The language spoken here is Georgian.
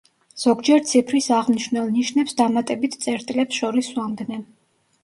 ზოგჯერ ციფრის აღმნიშვნელ ნიშნებს დამატებით წერტილებს შორის სვამდნენ.